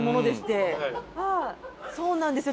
そうなんですよ